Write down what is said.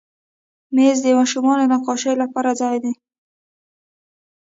مېز د ماشومانو نقاشۍ لپاره ځای دی.